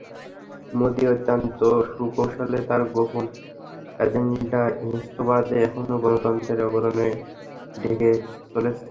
মোদি অত্যন্ত সুকৌশলে তাঁর গোপন অ্যাজেন্ডা হিন্দুত্ববাদকে এখনো গণতন্ত্রের আবরণে ঢেকে চলেছেন।